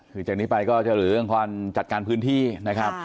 คือจากนี้ไปก็จะเหลือเรื่องความจัดการพื้นที่นะครับ